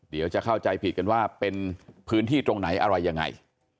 เดี๋ยวจะเข้าใจผิดกันว่าเป็นพื้นที่ตรงไหนอะไรยังไง